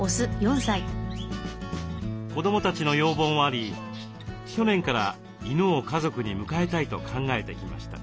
子どもたちの要望もあり去年から犬を家族に迎えたいと考えてきました。